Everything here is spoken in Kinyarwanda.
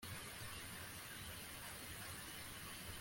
Tom na Mariya birashoboka ko ari Abanyakanada